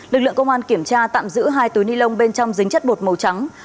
lực lượng công an kiểm tra tạm giữ hai túi nilon bên trong dính chất bột màu trắng